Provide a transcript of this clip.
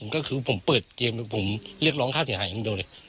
ก็คือผมเปิดเกมผมเรียกร้องค่าเสียหายอย่างเดียวเลย